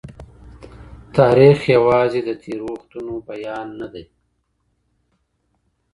تاريخ یوازې د تېرو وختونو بیان نه دی.